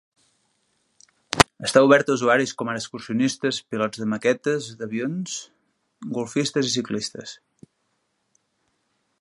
Està obert a usuaris com ara excursionistes, pilots de maquetes d'avions, golfistes i ciclistes.